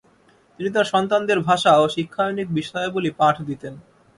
তিনি তার সন্তানদের ভাষা ও শিক্ষায়নিক বিষয়াবলী পাঠ দিতেন।